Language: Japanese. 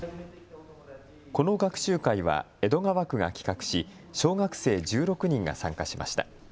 この学習会は江戸川区が企画し小学生１６人が参加しました。